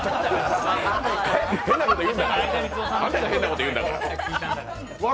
あんたが変なこと言うんだから。